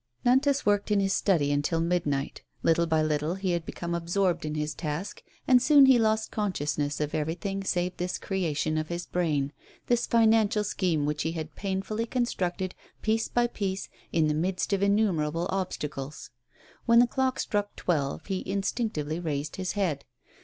Nantas worked in his study until midnight. Little by little he had become absorbed in his task, and soon he lost consciousness of everything save this creation of his brain, this financial scheme which he had painfully constructed, piece by piece, in the midst of innumerable TREACHERY. 103 obstacles. When the clock struck twelve he instinct ively raised his head.